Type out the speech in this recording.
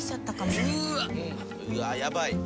うわやばい。